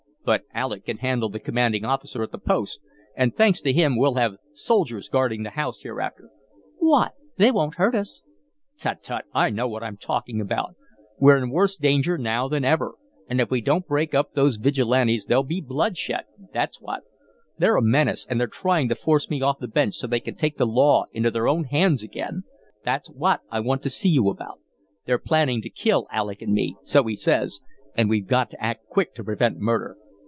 But Alec can handle the commanding officer at the post, and, thanks to him, we'll have soldiers guarding the house hereafter." "Why they won't hurt us " "Tut, tut! I know what I'm talking about. We're in worse danger now than ever, and if we don't break up those Vigilantes there'll be bloodshed that's what. They're a menace, and they're trying to force me off the bench so they can take the law into their own hands again. That's what I want to see you about. They're planning to kill Alec and me so he says and we've got to act quick to prevent murder.